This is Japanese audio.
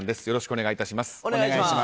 よろしくお願いします。